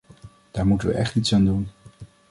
Daar moeten we echt iets aan doen.